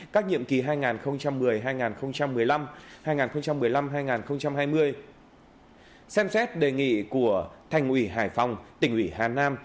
các nhiệm kỳ hai nghìn một mươi hai nghìn một mươi năm hai nghìn một mươi năm hai nghìn hai mươi xem xét đề nghị của thành ủy hải phòng tỉnh ủy hà nam